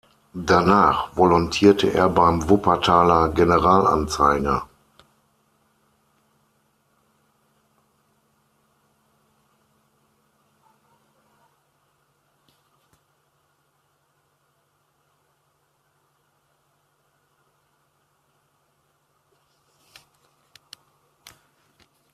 Danach volontierte er beim Wuppertaler Generalanzeiger.